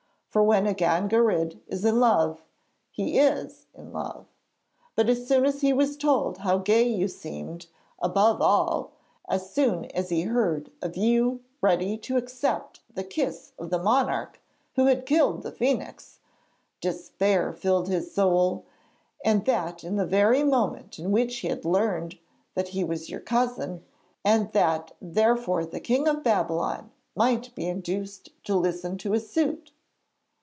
For when a Gangarid is in love, he is in love. But as soon as he was told how gay you seemed, above all, as soon as he heard of you ready to accept the kiss of the monarch who had killed the phoenix, despair filled his soul, and that in the very moment in which he had learned that he was your cousin and that therefore the King of Babylon might be induced to listen to his suit.'